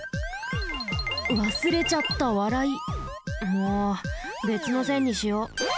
もうべつの線にしよう。